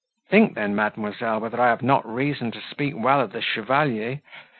Think then, mademoiselle, whether I have not reason to speak well of the Chevalier.